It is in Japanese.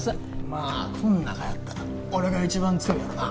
まあこの中やったら俺が一番強いやろな。